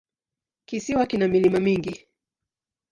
Kisiwa kina milima mingi.